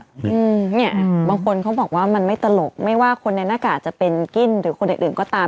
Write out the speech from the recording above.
อืมเนี่ยบางคนเขาบอกว่ามันไม่ตลกไม่ว่าคนในหน้ากากจะเป็นกิ้นหรือคนอื่นอื่นก็ตาม